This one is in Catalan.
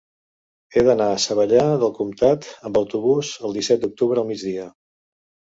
He d'anar a Savallà del Comtat amb autobús el disset d'octubre al migdia.